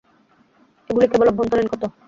এগুলি কেবল অভ্যন্তরীণ ক্ষত।